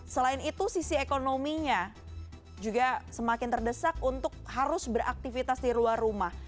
selain itu sisi ekonominya juga semakin terdesak untuk harus beraktivitas di luar rumah